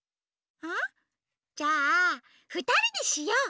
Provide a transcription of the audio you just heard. あっじゃあふたりでしよう！